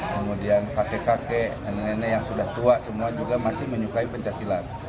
kemudian kakek kakek nenek nenek yang sudah tua semua juga masih menyukai pencaksilat